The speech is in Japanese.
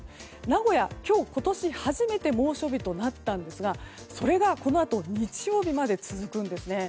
名古屋、今日、今年初めて猛暑日となったんですがそれが、このあと日曜日まで続くんですね。